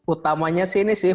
utamanya sih ini sih